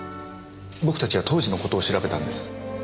僕たちは当時のことを調べたんです。